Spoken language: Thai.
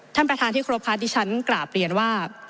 ท่านประธานที่ครบค่ะดิฉันกราบเรียนว่า